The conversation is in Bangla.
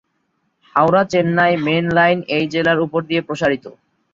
হাওড়া-চেন্নাই মেন লাইন এই জেলার উপর দিয়ে প্রসারিত।